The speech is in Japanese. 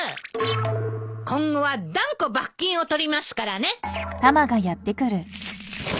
今後は断固罰金を取りますからね！